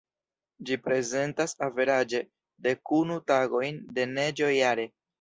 Ĝi prezentas averaĝe, dekunu tagojn de neĝo jare.